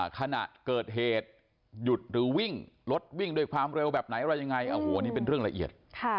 ขณะเกิดเหตุหยุดหรือวิ่งรถวิ่งด้วยความเร็วแบบไหนอะไรยังไงโอ้โหอันนี้เป็นเรื่องละเอียด